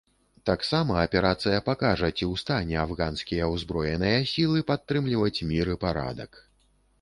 Таксама аперацыя пакажа ці ў стане афганскія ўзброеныя сілы падтрымліваць мір і парадак.